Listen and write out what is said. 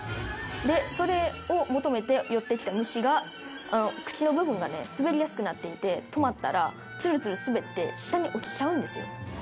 でそれを求めて寄ってきた虫が口の部分がね滑りやすくなっていて止まったらツルツル滑って下に落ちちゃうんですよ。